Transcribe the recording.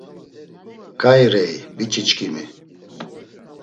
Ǩai rei biç̌içkimi?